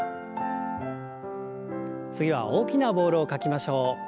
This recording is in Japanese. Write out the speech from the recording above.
次は大きなボールを描きましょう。